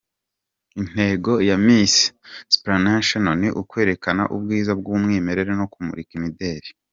Intego ya Miss Supranational ni ukwerekana ubwiza bw’umwimerere no kumurika imideli.